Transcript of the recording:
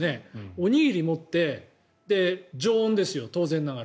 おにぎり持って常温ですよ、当然ながら。